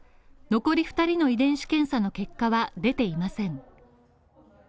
残り２人の遺伝子検査の結果は出ていません。